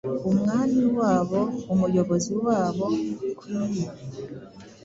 Umwami wabo, Umuyobozi wabo, kwii